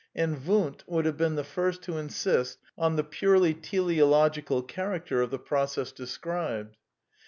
And Wundt would have been the first to insist on the purely teleological character of the process described.